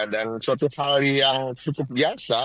dan suatu hal yang cukup biasa